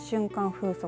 風速